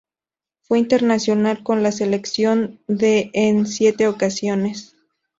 Fue internacional con la selección de en siete ocasiones.